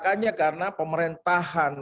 kerjaan di lapangannya berentakan